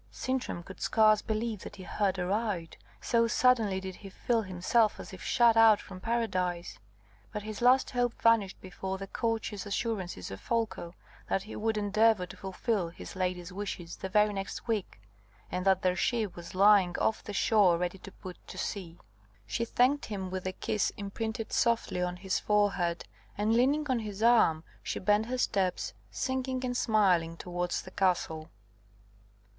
Sintram could scarce believe that he heard aright, so suddenly did he feel himself as if shut out from paradise. But his last hope vanished before the courteous assurances of Folko that he would endeavour to fulfil his lady's wishes the very next week, and that their ship was lying off the shore ready to put to sea. She thanked him with a kiss imprinted softly on his forehead; and leaning on his arm, she bent her steps, singing and smiling, towards the castle.